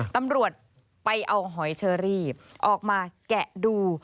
ตำรวจไปเอาหอยเชอรี่ออกมาแกะดู